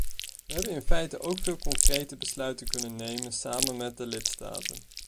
We hebben in feite ook veel concrete besluiten kunnen nemen samen met de lidstaten.